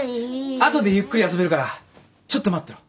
後でゆっくり遊べるからちょっと待ってろ。